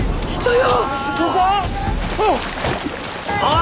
あ。